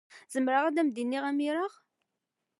Zemreɣ ad am-t-id-iniɣ imir-a.